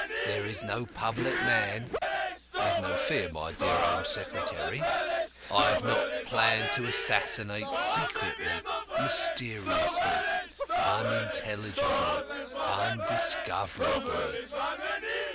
There is no public man have no fear, my dear Home Secretary I have not planned to assassinate secretly, mysteriously, unintelligibly, undiscoverably.